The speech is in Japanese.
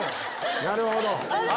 なるほど。